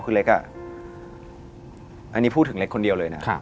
คุณเล็กอ่ะอันนี้พูดถึงเล็กคนเดียวเลยนะ